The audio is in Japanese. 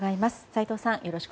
斎藤さん